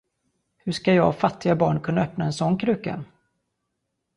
Hur ska jag, fattiga barn, kunna öppna en sådan kruka?